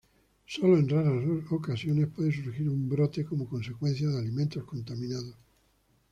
Solo en raras ocasiones puede surgir un brote como consecuencia de alimentos contaminados.